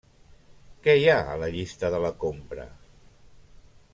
Què hi ha a la llista de la compra?